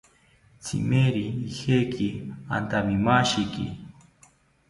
Tzimeri ijeki antamimashiki